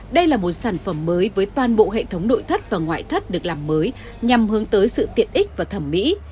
đây là một sản phẩm mới với toàn bộ hệ thống nội thất và ngoại thất được làm mới nhằm hướng tới sự tiện ích và thẩm mỹ